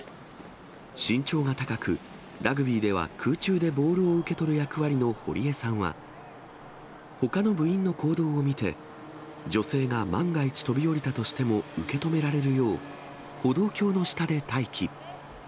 身長が高く、ラグビーでは空中でボールを受け取る役割の堀江さんは、ほかの部員の行動を見て、女性が万が一、飛び降りたとしたも受け止められるよう、歩道橋の下で待機。